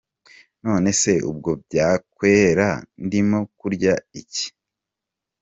None se ubwo byakwera ndimo kurya iki?”.